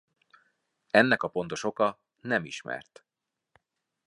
Ennek a pontos oka nem ismert.